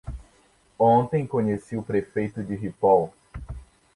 Ontem conheci o prefeito de Ripoll.